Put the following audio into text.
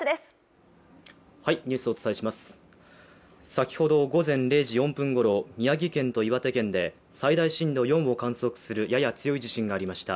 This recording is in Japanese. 先ほど午前０時４分ごろ宮城県と岩手県で最大震度４を観測するやや強い地震がありました。